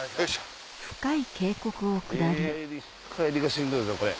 帰りがしんどいっすねこれ。